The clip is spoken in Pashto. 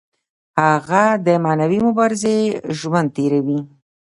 هغه د معنوي مبارزې ژوند تیروي.